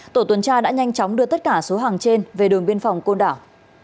tổ tuần tra đã nhanh chóng đưa tất cả số hàng trên về đồn biên phòng côn đảo